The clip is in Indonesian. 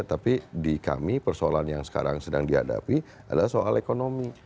tapi di kami persoalan yang sekarang sedang dihadapi adalah soal ekonomi